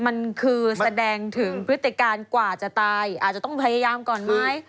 มันคือแสดงถึงพฤติการกว่าจะตายอาจจะต้องพยายามก่อนไหม